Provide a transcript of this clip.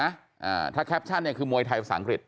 อ่าถ้าแคปชั่นเนี่ยคือมวยไทยภาษาอังกฤษ